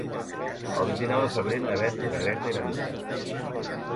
El vint-i-nou de febrer na Beth i na Greta iran d'excursió.